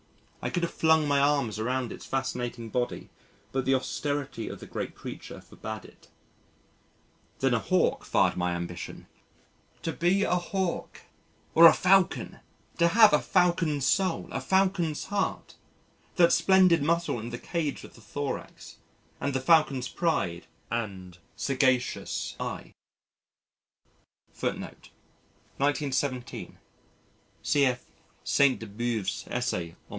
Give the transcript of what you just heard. I could have flung my arms around its fascinating body but the austerity of the great creature forbad it. Then a Hawk fired my ambition! to be a Hawk, or a Falcon, to have a Falcon's soul, a Falcon's heart that splendid muscle in the cage of the thorax and the Falcon's pride and sagacious eye!